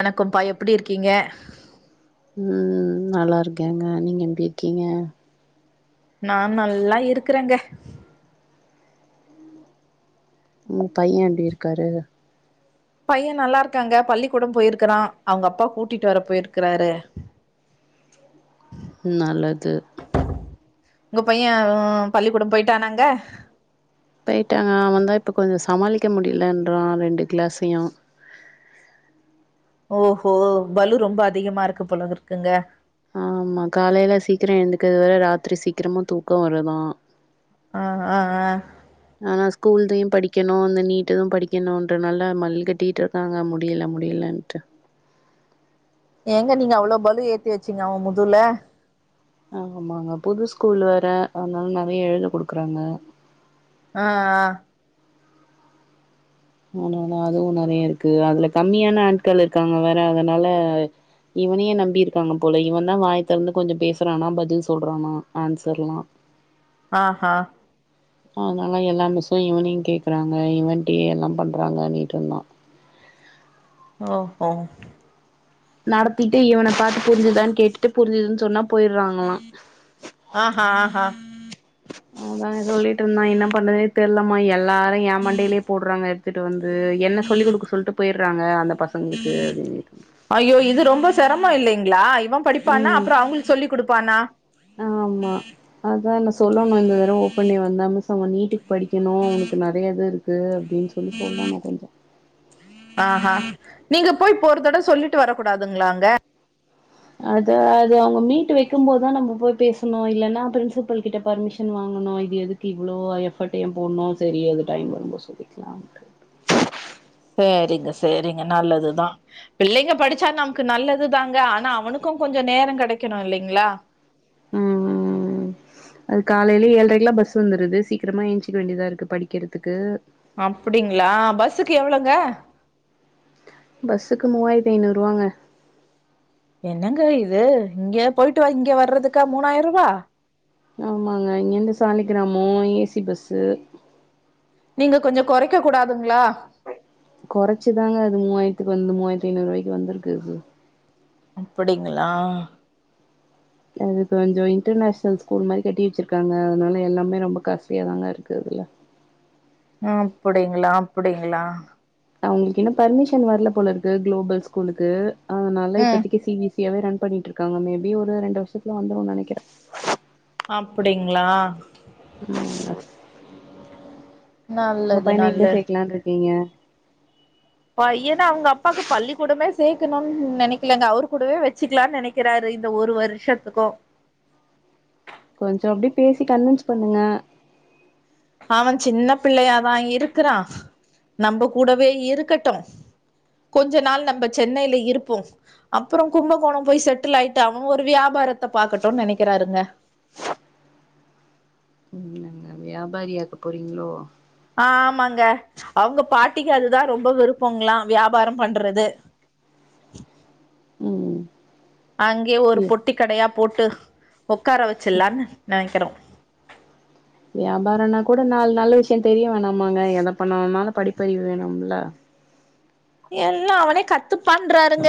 வணக்கம் பா எப்படி இருக்கீங்க ம் நல்லா இருக்கேங்க நீங்க எப்டி இருக்கீங்க நா நல்லா இருக்றேங்க ம் பைய எப்டி இருக்காரு பைய நல்லா இருக்காங்க பள்ளிக்கூடம் போயிருக்றா அவுங்க அப்பா கூட்டிட்டு வர போயிருக்குறாரு ம் நல்லது உங்க பைய அ பள்ளிக்கூடம் போயிட்டானாங்க போயிட்டாங்க அவன் தா இப்போ கொஞ்சோ சமாளிக்க முடியலன்றா ரெண்டு கிளாஸ்ஸையு ஓஹோ பல்லு ரொம்ப அதிகமா இருக்கு போல இருக்குங்க ஆமா காலைல சீக்கிரோ எந்துக்குறது வேற ராத்திரி சீக்கிரமா தூக்கோ வருதா ஆ ஆ ஆ [inaudible] ஆனா ஸ்கூல் இதையு படிக்கணு இந்த நீட்டெது படிக்கணுன்றனால மல்லுகெட்டிருக்காங்க முடியல முடியலன்ட்டு ஏங்க நீங்க அவுளோ பலு ஏத்தி வச்சீங்க அவன் முதுவ்ல்ல ஆமாங்க புது ஸ்கூல் வேற அதுனால நெறையா எழுத குடுக்குறாங்க ஆ ஆனாலு அதுவு நெறையா இருக்கு அதுல கம்மியான ஆட்கள் இருக்காங்க வேற அதுனால இவனையே நம்பி இருக்காங்க போல இவன்தா வாய் தெறந்து கொஞ்சோ பேசுறான்னா பதில் சொல்றானா ஆன்சருலா ஆ ஹா அதுனால் எல்லா மிஸ்ஸு இவனியு கேக்குறாங்க இவன்ட்யே எல்லா பண்றாங்க நீட்டுந்தா ஓ ஹோ நடத்திட்டு இவன பா்த்து புரிஞ்சுதான் கேட்டுட்டு புரிஞ்சுதுன் சொன்னா போயிர்றாங்குளா ஆஹா ஆஹா அதான் சொல்லிட்ருந்தான் என்ன பண்றதுனே தெர்லமா எல்லாரு ஏன் மண்டைலே போட்றாங்க த்துட்டு வந்து என்ன சொல்லி குடுக்க சொல்ட்டு போய்றாங்க அந்த பசங்ளுக்கு அப்டின்ட்டு ஐயோ இது ரொம்பா செரமோ இல்லைங்ளா இவன் படிப்பானா ம் அப்புறோ அவுங்ளுக் சொல்லி் குடுப்பானா ஆமா அதான சொல்லணு இந்த தடவ ஓப்பன் வந்தா மிஸ்ஸ அவன் நீட்டு படிக்கணு அவனுக்கு நெறையா இது இருக்கு அப்டின் சொல்லி சொல்லணு கொஞ்சோ ஆ ஹா நீங்க போய் இப்போ ஒரு தடவ் சொல்லிட்டு வர கூடாதுங்ளாங்க அது அது அவ்ங்க மீட்டு வைக்கும் போதா நம்ம போய் பேசணு இல்லனா பிரின்சுபிள் கிட்ட பர்மிஷன் வாங்கணு இது எது க்கு இவ்ளோ எஃபட் போட்ணு செரி அது டைம் வரும்போது சொல்லிக்கிலான்ட்டு சேரிங்க சேரிங்க நல்லதுதா பிள்ளைங்க படிச்சா நம்க்கு நல்லதுதாங்க ஆனா அவனுக்கு கொஞ்சோ நேரோ கெடைக்கணு இல்லைங்ளா ம் அது காலைலே ஏழரைக்குலா பஸ் வந்துருது சீக்கிரமா ஏன்ச்சுக்க வேண்டிதா இருக்கு படிக்கறதுக்கு அப்புடிங்குளா பஸ்ஸுக்கு எவுளோங்க பஸ்ஸுக்கு மூவாய்ர்த்தி ஐநூறுவாங்க என்னங்க இது இங்க போய்ட்டு இங்க வர்றதுக்கா மூணாய்ருவா ஆமாங்க இங்க இருந்து சாலிக்கிராமோ ஏ சி பஸ்ஸு நீங்க கொஞ்சோ கொறைக்க கூடாதுங்ளா கொறச்சுதாங்க அது மூவாய்ர்த்துக்கு வந்து மூவாய்ர்த்தி ஐநூறுவாய்க்கு வந்திருக்கு அது அப்புடிங்குளா அது கொஞ்சோ இன்டர்நேஷ்னல் ஸ்கூல் மாரி கட்டி வச்சுருக்காங்க அதுனால எல்லாமே ரொம்ப காஸ்ட்லியாதாங்க இருக்கு அதுல அப்புடிங்ளா அப்புடிங்ளா அவங்களுக்கு இன்னு பர்மிஷன் வர்ல போல இருக்கு குளோபல் ஸ்கூலுக்கு அதுனால ம் இப்பதைக்கி சி பி எஸ் சியா ரன் பண்ணிட்ருக்காங்க மேபி ஒரு ரெண்டு வர்ஷத்துல வந்துரு நெனைக்கிற அப்புடிங்ளா ம் நல்லது நல்ல உட்லான்ட்ருக்கீங்க பையன அவுங்க அப்பாக்கு பள்ளிக்கூடமே சேக்கணுன் நெனைக்கிலங்க அவரு கூடவே வச்சுக்குலான் நெனை க்குறாரு இந்த ஒரு வருஷத்துக்கு கொஞ்சோ அப்டியே பேசி கன்வின்ஸ் பண்ணுங்க அவன் சின்ன பிள்ளையாதா இருக்குறான் நம்ம கூடவே இருக்கட்டு கொஞ்ச நாள் நம்ம சென்னைல இருப்போ அப்புறோ கும்பகோணோ போய் செட்டில் ஆய்ட்டு அவன் ஒரு வியாபாரத்த பாக்கட்டுன் நெனைக்குறாருங்க என்னங்க வியாபாரியாக்க போறீங்ளோ ஆ ஆமாங்க அவுங்க பாட்டிக்கு அதுதா ரொம்ப விருப்பங்ளா வியாபாரோ பண்றது ம் அங்கயே ஒரு யா பொட்டி கடயா போட்டு ஒக்கார வச்சிலானு நனைக்றோ வியாபாரனா கூட நாலு நல்ல விஷயோ தெரிய வேணாமாங்க எத பன்னனுனாலு படிப்பறிவு வேணும்ல எல்லா அவனே கத்துப்பான்றாருங்க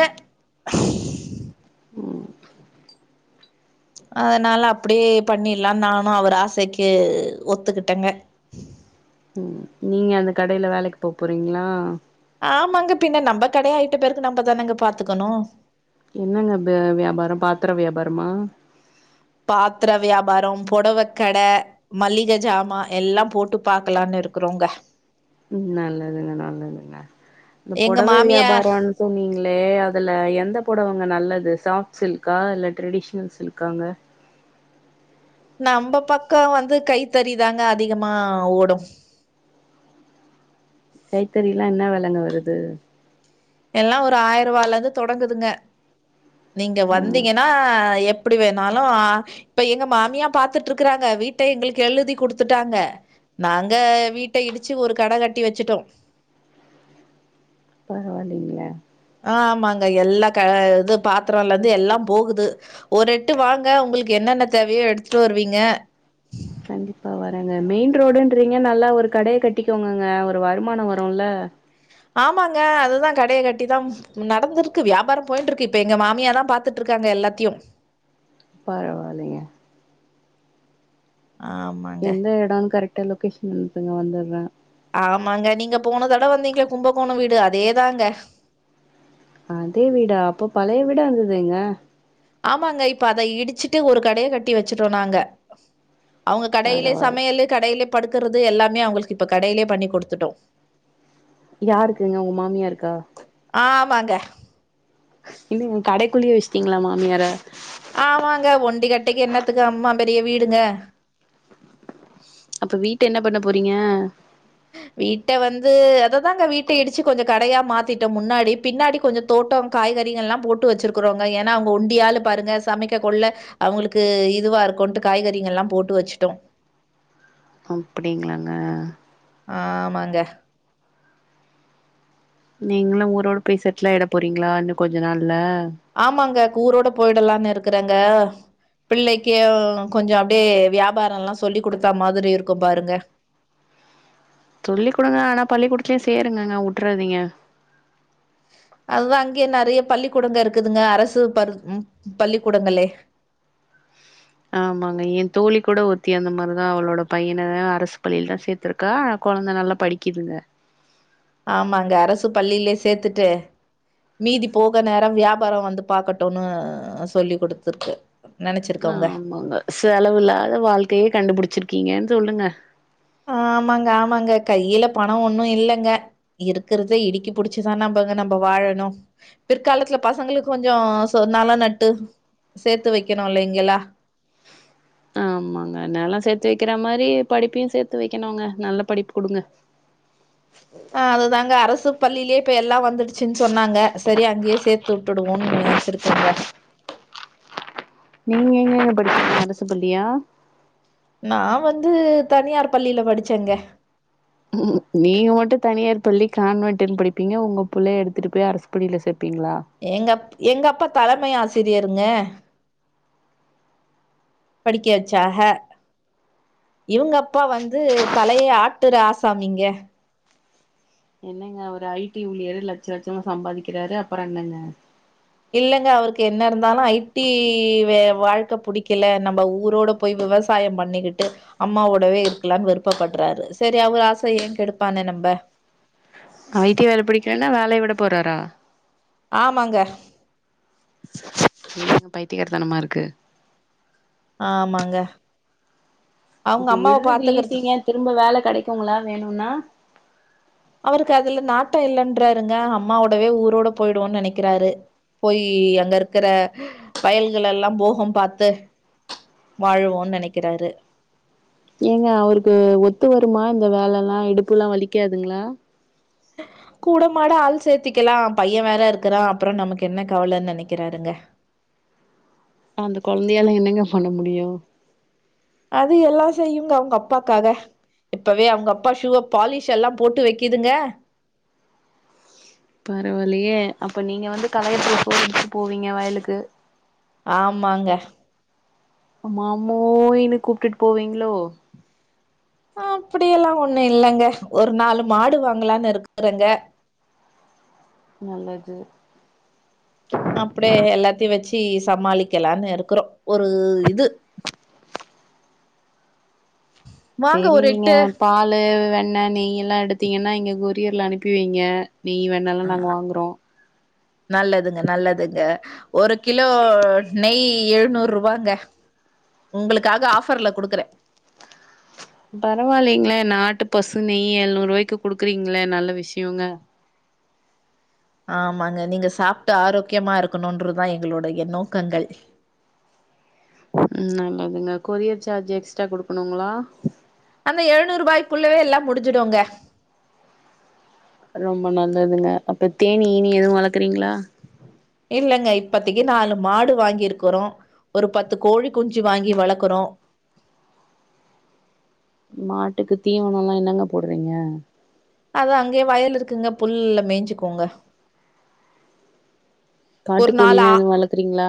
ம் அதனால அப்டியே பன்னிட்லானு நானு அவரு ஆசக்கி ஒத்துக்கிட்டங்க ம் நீங்க அந்த கடைல வேலைக்கு போ போறீங்ளா ஆமாங்க பின்ன நம் கடையா ஆயிட்ட பிறகு நம்பதானங்க பாத்துக்கணு என்னங்க ப வியாபாரோ பாத்தர வியாபாரமா பாத்தர வியாபாரோ‌ பொடவக்கட மள்ளிக ஜாமா எல்லா போட்டு பாக்லான் இருக்கறோங்க ம் நல்லதுங்க நல்லதுங்க இந்த எங்க பொடவ மாமியார் வியாபாரோன் சொன்னீங்ளே அதுல எந்த பொடவங்க நல்லது சாஃப்ட் சில்க்கா இல்ல ட்ரெடிஷ்னல் சில்க்காங்க நம்ந பக்கோ வந்து கைத்தறி தாங்க அதிகமா ஓடு கைத்தறிலா என்னா வெலங்க வருது எல்லா ஒரு ஆயிர்வாலந்து தொடங்குதுங்க நீங்க ம் வந்தீங்க னா எப்படி வேணாலு இப்ப எங்க மாமியா பாத்துட்ருக்கறாங்க வீட்ட எங்களுக்கு எழுதி குடுத்துட்டாங்க நாங்க வீட்ட இடிச்சி ஒரு கட கட்டி வச்சுட்டோ பரவால்லீங்ளே ஆ ஆமாங்க எல்லா க அ இது பாத்தரலோந்து எல்லா போகுது ஒரு எட்டு வாங்க ஒங்களுக்கு என்னன்ன தேவயோ எடுத்துட்டு வருவீங்க கண்டிப்பா வரங்க மெயின் ரோடுன்றீங்க நல்லா ஒரு கடய கட்டிக்கோங்கங்க ஒரு வருமானோ வருல்ல ஆமாங்க அதுதா கடய கட்டி தா நடந்திருக்கு வியாபார போய்ன்ட்ருக்கு இப்ப எங்க மாமியாதா பாத் துட்ருக்காங்க எல்லாத்தியு பரவால்லீங்க ஆம் எந்த எடனோனு கரெக்டா லொக்கேஷன் அனுப்புங்க வந்தற ஆமாங்க நீங்க போன தடவ வந்தீங்க கும்பகோணோ வீடு அதேதாங்க அதே வீடா அப்ப பழைய வீடா இருந்துதேங்க ஆமாங்க இப்ப அத இடிச்சிட்டு ஒரு கடய கட்டி வச்சுட்டோ நாங்க அவுங்க கடையிலே பரவாயில்ல சமையலு கடையிலே படுக்கறது எல்லாமே அவுங்களுக்கு இப்ப கடையிலே பண்ணி குடுத்துட்டோ யாருக்குங்க ஒங்க மாமியாருக்கா ஆ ஆமாங்க இல்லைங்க ஒங் கடைக்குள்ளயே வச்சட்டீங்ளா மாமியார ஆமாங்க ஒண்டி கட்டைக்கு என்னாத்துக்கு அம்மா பெரிய வீடுங்க அப்ப வீட்ட என்ன பண்ண போறீங்க வீட்ட வந்து அததாங்க வீட்ட இடிச்சு கொஞ்சோ கடயா மாத்திட்டோ முன்னாடி பின்னாடி கொஞ்சோ தோட்டோ காய்கறிகள்லா போட்டு வச்சுருக்குறோங்க ஏனா அவுங்க ஒண்டியாளு பாருங்க சமைக்க கொள்ள அவுங்களுக்கு இதுவா இருக்குன்ட்டு காய்கறிகள்ல்லா போட்டு வச்சுட்டோ அப்படிங்களாங்க ஆமாங்க நீங்களு ஊரோட போய் செட்லாய்ட போறீங்களா இன்னு கொஞ்ச நாள்ல ஆமாங்க கூரோட போயிடலானு இருக்கறங்க பிள்ளைக்கு கொஞ்சோ அப்டே வியாபாரல்லா சொல்லி குடுத்தா மாதிரி இருக்கு பாருங்க சொல்லி்க் குடுங்க ஆனா பள்ளிக்கூடத்துலயு சேருங்கங்க வுட்றாதீங்க அதுதா அங்கயே நெறைய பள்ளிக்கூடங்க இருக்குதுங்க அரசு ப பள்ளிக்கூடங்களே ஆமாங்க எ தோழி கூட ஒருத்தி அந்த மாரிதா அவளோட பையன அரசு பள்ளில தா சேத் த்துருக்கா கொழந்த நல்லா படிக்குதுங்க ஆமாங்க அரசு பள்ளிலே சேத்துட்டு மீதி போக நேர வியாபாரமவந்து பாக்கட்டுனு சொல்லிக் குடுத்துருக்கு நெனச்சிருக்கோங்க ஆமாங்க செலவில்லாத வாழ்க்கையே கண்டுபிடிச்சிருக்கீங்கன் சொல்லுங்க ஆமாங்க ஆமாங்க கையில பண ஒன்னு இல்லங்க இருக்குறத இடிக்கி புடிச்சிதான நம்பங்க நம்ப வாழணு பிற்காலத்துல பசங்களுக்கு கொஞ்சோ சோ நல நட்டு சேத்து வெக்கணு இல்லைங்கலா ஆமாங்க நெல சேத்து வெக்கிற மாரி படிப்பையு சேத்து வெக்கணுங்க நல்ல படிப்பு குடுங்க ஆ அதுதாங்க அரசு பள்ளிலயே இப்ப எல்லா வந்துடுச்சுன் சொன்னாங்க சேரி அங்கயே சேத் து வுட்டுடுவோன் நெனச்சிருக்கேங்க நீங்க எங்கங்க படிச்சீங்க அரசு பள்ளியா நா வந்து தனியார் பள்ளில படிச்சேங்க ம் நீங்க மட்டு தனியார் பள்ளி கான்வெண்ட்டுன் படிப்பீங்க ஒங்க புள்ளைய எடுத்துட்டு போய் அரசு பள்ளில சேப்பீங்களா எங்கப் எங்கப்பா தலைமை ஆசிரியருங்க படிக்க வெச்சாக இவ்ங்க அப்பா வந்து தலைய ஆட்டுற ஆசாமிங்க என்னங்க அவரு ஐ டி ஊழியரு லெட்ச லெட்சமா சம்பாதிக்கிறாரு அப்பற என்னங்க இல்லங்க அவருக்கு என்ன இருந்தாலு ஐ டி வெ வாழ்க்க புடிக்கல நம்ப ஊரோட போய் விவசாய பண்ணிக்கிட்டு அம்மாவோடவே இருக்கலான் விருப்ப பட்றாரு சேரி அவ்க ஆசைய ஏ கெடுப்பானே நம்ப ஐ டி வேல பிடிக்கலனா வேலைய விட போறாரா ஆமாங்க என்னங்க பைத்தியகார தனமா இருக்கு ஆமாங்க அவ்ங்க இப்ப அம்மாவ விடுறது பாத்துக்கிறத்தா ஈஸிங்க திரும்ப வேல கெடைக்குங்களா வேணுனா அவருக்கு அதுல நாட்ட இல்லன்றாருங்க அம்மாவோடவே ஊரோட போயிடுவோன் நெனைக்கிறாரு போயி அங்க இருக்கிற வயல்களெல்லா போகம் பாத்து வாழுவோன் நெனைக்கிறாரு ஏங்க அவருக்கு ஒத்து வருமா இந்த வேலலா இடுப்புலா வலிக்காதுங்ளா கூடமாட ஆள் சேத்திக்கலா பைய வேற இருக்குறா அப்றோ நமக்கு என்ன கவலன் நெனைக்கிறாருங்க அந்த கொழந்தையால என்னங்க பண்ண முடியு அது எல்லா செய்யுங்க அவ்ங்க அப்பாக்காக இப்பவே அவ்ங்க அப்பா ஷூவ பாலிஷெல்லா போட்டு வெக்கிதுங்க பரவால்லயே அப்ப நீங்க வந்து கலயத்துல சோறு எடுத்துட்டு போவீங்க வயலுக்கு ஆமாங்க மாமோய்னு கூப்ட்டுட்டு போவீங்ளோ அப்டியெல்லா ஒன்னு இல்லங்க ஒரு நாலு மாடு வாங்கலானு இருக்றங்க நல்லது அப்டியே எல்லாத்தையு வெச்சு சமாளிக்கலான் இருக்குறோ ஒரு இது வாங்க சேரி ஒரு நீங்க எட்டு பாலு வெண்ணெ நெய் எல்லா எடுத்தீங்கனா இங்க கொரியர்ல அனுப்பி வைங்க நெய் வேணாலு ஆ நாங்க வாங்குறோ நல்லதுங்க நல்லதுங்க ஒரு கிலோ நெய் எழ்நூற்வாங்க உங்களுக்காக ஆஃபர்ல குடுக்கறே பரவால்லைங்ளே நாட்டு பசு நெய் எழ்நூற்வாய்க்கு குடுக்குறீங்ளே நல்ல விஷயங்க ஆமாங்க நீங்க சாப்ட்டு ஆரோக்கியமா இருக்கணுன்றது தா எங்களுடைய நோக்கங்கள் ம் நல்லதுங்க கொரியர் சார்ஜ் எக்ஸ்ட்ரா குடுக்கணுங்ளா அந்த எழ்நூற்ரூபாய்க்குள்ளவே எல்லா முடுஞ்சுடுங்க ரொம்ப நல்லதுங்க அப்ப தேனி கீனி எது வளக்றீங்ளா இல்லங்க இப்பதைக்கு நாலு மாடு வாங்கிருக்குறோ ஒரு பத்து கோழி குஞ்சு வாங்கி வளக்கறோ மாட்டுக்கு தீவனல்லா என்னங்க போட்றீங்க அத அங்கயே வயல் இருக்குங்க புல்ல மேஞ்சுக்குங்க ஒரு நாலு காட்டுக்கோழினா ஆ எது வளக்கறீங்ளா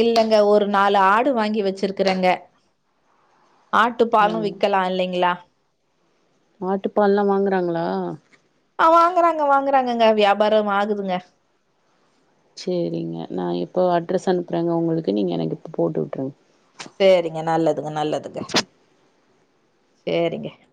இல்லங்க ஒரு நாலு ஆடு வாங்கி வச்சிருக்கறங்க ஆட்டு பாலு விக்கலா இல்லைங்ளா ஆட்டுப்பால்லா வாங்றாங்ளா ஆ வாங்கறாங்க வாங்கறாங்கங்க வியாபாரம் ஆகுதுங்க சேரிங்க நா இப்போ அட்ரஸ் அனுப்புறேங்க உங்களுக்கு நீங்க எனக்கு இப்ப போட்டுட்ருங் சேரிங்க நல்லதுங்க நல்லதுங்க சேரிங்க